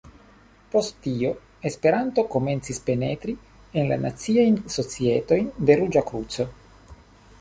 Post tio Esperanto komencis penetri en la naciajn societojn de Ruĝa Kruco.